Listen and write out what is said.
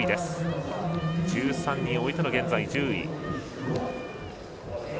１３人終えての現在、１０位。